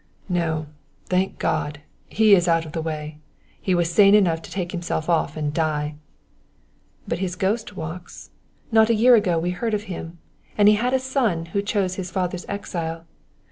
"No, thank God! he is out of the way. He was sane enough to take himself off and die." "But his ghost walks. Not a year ago we heard of him; and he had a son who chose his father's exile.